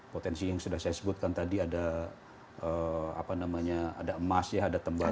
potensi yang sudah saya sebutkan tadi ada emas ya ada tembakau